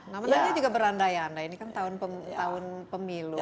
namanya juga berandai andai ini kan tahun pemilu